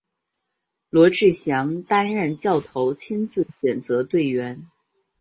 罗志祥担任教头亲自选择队员。